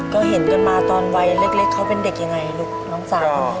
ก็เห็นกันมาตอนวัยเล็กเขาเป็นเด็กยังไงลูกน้องสาว